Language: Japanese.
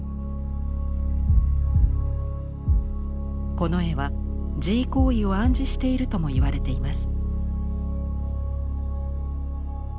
この絵は自慰行為を暗示しているともいわれています。